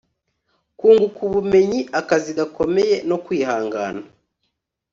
kunguka ubumenyi, akazi gakomeye, no kwihangana